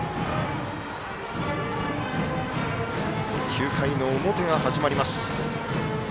９回の表が始まります。